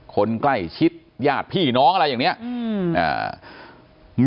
คนใกล้ชิดญาติพี่น้องอะไรอย่างเนี้ยอืมอ่า